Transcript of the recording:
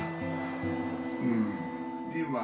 うん。